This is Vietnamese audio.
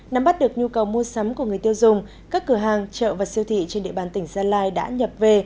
năm bắt được nhu cầu mua sắm của người tiêu dùng các cửa hàng chợ và siêu thị trên địa bàn tỉnh gia lai đã nhập về